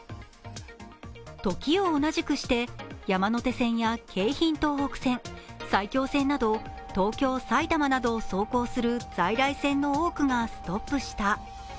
時を同じくして山手線や京浜東北線、埼京線など東京、埼玉などを走行する在来線の多くがストップした。